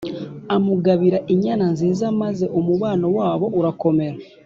amugabira inyana Nziza maze umubano wabo urakomera